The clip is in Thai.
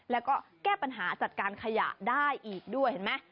แล้วก็แก้ปัญหาจัดการขยะได้อีกด้วยเห็นไหม